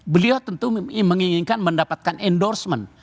beliau tentu menginginkan mendapatkan endorsement